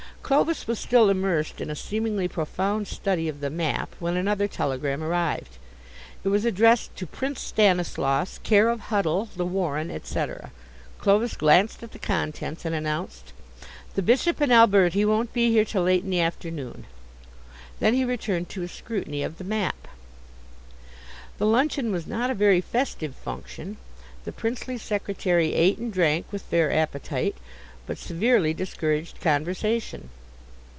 Clovis was still immersed in a seemingly profound study of the map when another telegram arrived. It was addressed to "Prince Stanislaus, care of Huddle, The Warren, etc." Clovis glanced at the contents and announced: "The Bishop and Alberti won't be here till late in the afternoon." Then he returned to his scrutiny of the map. The luncheon was not a very festive function. The princely secretary ate and drank with fair appetite, but severely discouraged conversation.